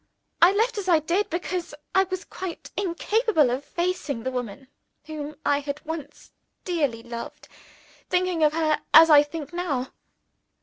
I left as I did, because I was quite incapable of facing the woman whom I had once dearly loved thinking of her as I think now.